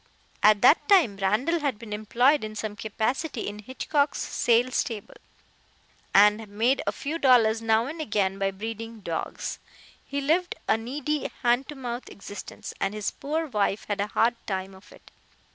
At that time Randall had been employed in some capacity in Hitchcock's sale stable, and made a few dollars now and again by breeding dogs. He lived a needy hand to mouth existence, and his poor wife had a hard time of it.